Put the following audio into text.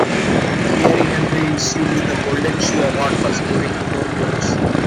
Thierry Henry received the Golden Shoe award for scoring four goals.